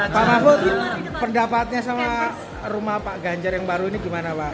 pak mahfud pendapatnya sama rumah pak ganjar yang baru ini gimana pak